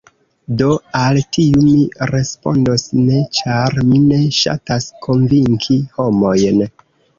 Do, al tiu mi respondos ‘ne’ ĉar mi ne ŝatas konvinki homojn